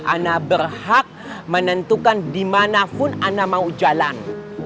ana berhak menentukan dimanapun ana mau jalan